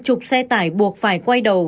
chục xe tải buộc phải quay đầu